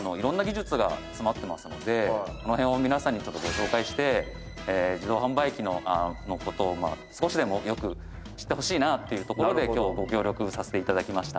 その辺を皆さんにちょっとご紹介して自動販売機のことを少しでもよく知ってほしいなというところで今日ご協力させて頂きました。